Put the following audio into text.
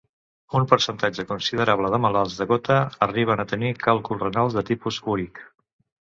Un percentatge considerable de malalts de gota arriben a tenir càlculs renals de tipus úric.